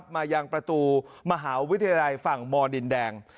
มายังประตูมหาวิทยาลัยฝั่งมดินแดง